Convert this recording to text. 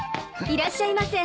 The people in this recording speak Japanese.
いらっしゃいませ。